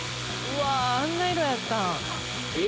「うわ！